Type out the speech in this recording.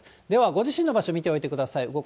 ではご自身の場所、見ておいてください。